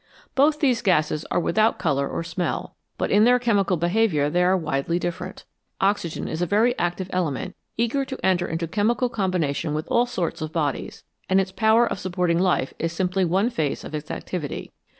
Both these gases are without colour or smell, but in their chemical behaviour they are widely different. Oxygen is a very active element, eager to enter into chemical combination with all sorts of bodies, and its power of supporting life is simply one phase of its activity.